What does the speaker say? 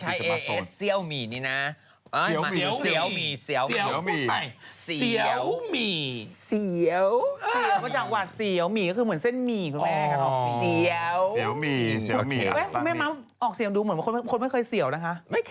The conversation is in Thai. จนหาว่านักตายด้านเหรอพูดเนี้ยเหมือนมันนักตายด้าน